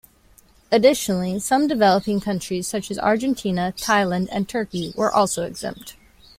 Additionally, some developing countries such as Argentina, Thailand, and Turkey were also exempt.